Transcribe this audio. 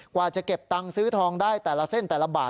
กว่าจะเก็บตังค์ซื้อทองได้แต่ละเส้นแต่ละบาท